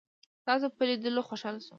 ستاسو په لیدلو خوشحاله شوم.